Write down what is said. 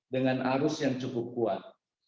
dengan arus yang cukup kuat